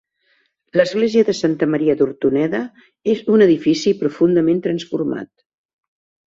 L'església de Santa Maria d'Hortoneda és un edifici profundament transformat.